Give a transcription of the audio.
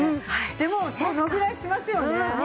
でもそのぐらいしますよね。